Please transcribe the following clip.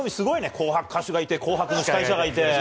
「紅白」の歌手がいて「紅白」の司会者がいて。